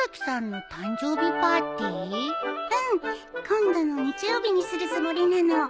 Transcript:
今度の日曜日にするつもりなの。